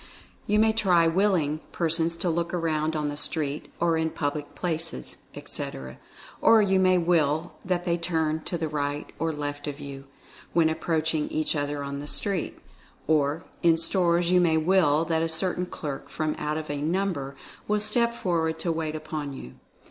You may try "willing" persons to look around on the street, or in public places, etc. Or you may "will" that they turn to the right or left of you, when approaching each other on the street. Or, in stores you may "will" that a certain clerk, from out of a number, will step for ward to wait upon you.